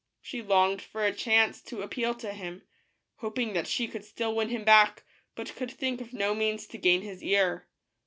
She longed for a chance to appeal to him, hoping that she could still win him back, but could think of no means to gain his ear.